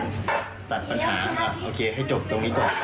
ตัดปัญหาครับโอเคให้จบตรงนี้ก่อน